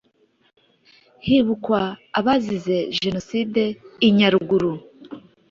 hibukwa abazize jenoside inyaruguru